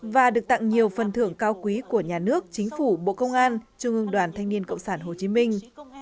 và được tặng nhiều phần thưởng cao quý của nhà nước chính phủ bộ công an trung ương đoàn thanh niên cộng sản hồ chí minh